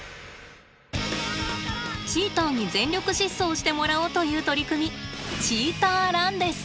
チーターに全力疾走してもらおうという取り組みチーターランです。